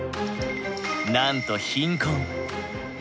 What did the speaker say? なんと貧困。